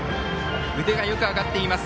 腕がよく上がっています。